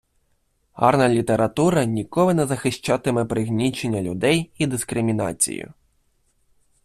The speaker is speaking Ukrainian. Гарна література ніколи не захищатиме пригнічення людей і дискримінацію.